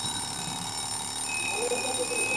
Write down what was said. তারা তাকে মক্কায় প্রবেশে বাঁধা দিত।